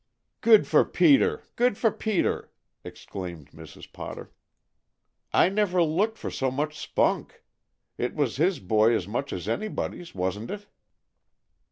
"Good for Peter! Good for Peter!" exclaimed Mrs. Potter. "I never looked for so much spunk. It was his boy as much as anybody's, wasn't it?"